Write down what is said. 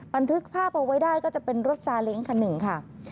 บันทึกภาพเอาไว้ได้ก็จะเป็นรถซาเล้งคันหนึ่งค่ะ